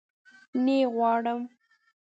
نه يي غواړم